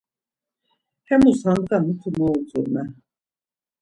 Hemus handğa mutu mot utzumer.